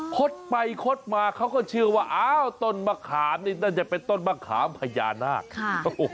ดไปคดมาเขาก็เชื่อว่าอ้าวต้นมะขามนี่น่าจะเป็นต้นมะขามพญานาคค่ะ